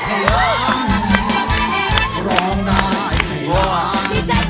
เพลงที่สองนะครับมูลค่า๑หมื่นบาท